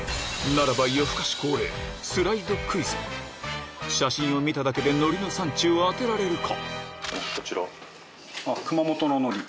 ならば写真を見ただけで海苔の産地を当てられるか？